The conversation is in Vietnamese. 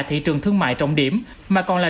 thị trường thương mại trọng điểm mà còn là